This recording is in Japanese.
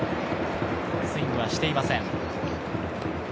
スイングはしていません。